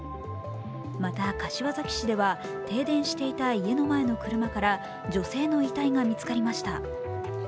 また柏崎市では停電していた家の前の車から女性の遺体が見つかりました。